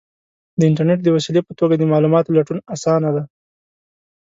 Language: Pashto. د انټرنیټ د وسیلې په توګه د معلوماتو لټون آسانه دی.